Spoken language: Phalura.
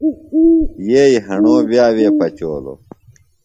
یئیی ہݨو وِیہ وے پچولوۡ۔